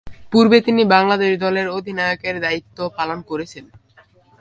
পূর্বে তিনি বাংলাদেশ দলের অধিনায়কের দায়িত্ব পালন করেছেন।